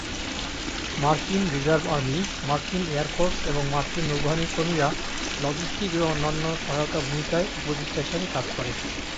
মার্কিন reserve army, মার্কিন air force এবং মার্কিন নৌবাহিনীর কর্মীরা লজিস্টিক এবং অন্যান্য সহায়তা ভূমিকায় উপদেষ্টা হিসেবে কাজ করে।